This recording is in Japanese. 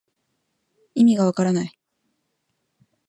いみがわからない